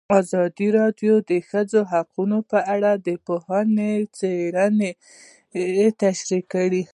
ازادي راډیو د د ښځو حقونه په اړه د پوهانو څېړنې تشریح کړې.